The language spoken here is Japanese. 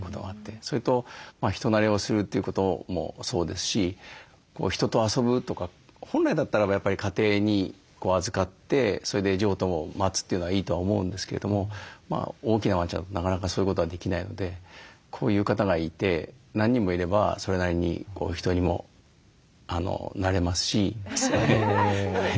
それと人なれをするということもそうですし人と遊ぶとか本来だったらばやっぱり家庭に預かってそれで譲渡を待つというのがいいとは思うんですけれども大きなワンちゃんだとなかなかそういうことはできないのでこういう方がいて何人もいればそれなりに人にもなれますし。